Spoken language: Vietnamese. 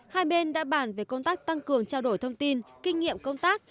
hai bên đã bàn về công tác tăng cường trao đổi thông tin kinh nghiệm công tác